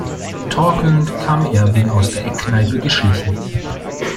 Torkelnd kam Erwin aus der Eckkneipe geschlichen.